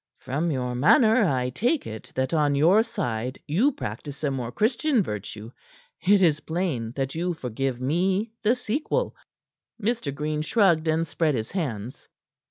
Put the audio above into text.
"From your manner I take it that on your side you practice a more Christian virtue. It is plain that you forgive me the sequel." Mr. Green shrugged and spread his hands.